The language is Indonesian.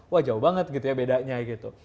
wah jauh banget gitu ya bedanya gitu